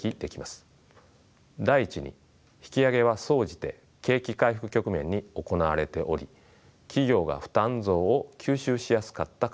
第１に引き上げは総じて景気回復局面に行われており企業が負担増を吸収しやすかったからです。